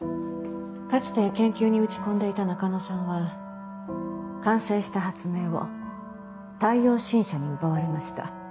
かつて研究に打ち込んでいた中野さんは完成した発明を太陽新社に奪われました。